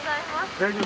大丈夫？